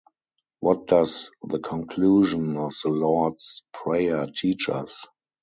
What does the conclusion of the Lord’s Prayer teach us?